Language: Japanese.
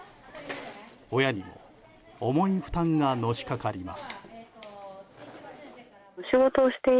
親にも重い負担がのしかかります。